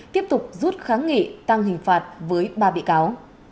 tiếp tục rút kháng nghị tăng hình phạt với ba bị cáo